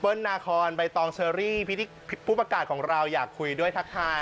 นาคอนใบตองเชอรี่ผู้ประกาศของเราอยากคุยด้วยทักทาย